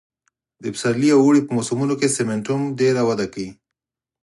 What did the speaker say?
د پسرلي او اوړي په موسمونو کې سېمنټوم ډېره وده کوي